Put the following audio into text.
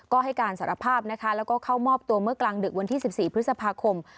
ก็ให้การสารภาพนะคะแล้วก็เข้ามอบตัวเมื่อกลางดึกวันที่๑๔พฤษภาคม